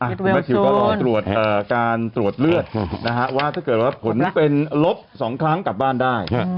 แม่สิวก็รอตรวจการตรวจเลือดนะฮะว่าถ้าเกิดว่าผลเป็นลบ๒ครั้งกลับบ้านได้